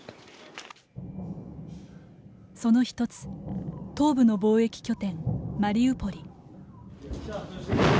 そのひとつ、東部の貿易拠点マリウポリ。